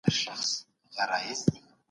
محصلين د ځان وژني ډولونه زده کوي.